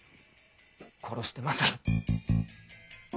殺してません。